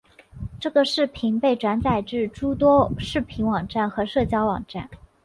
这个视频被转载至诸多视频网站和社交网站。